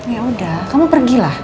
yaudah kamu pergilah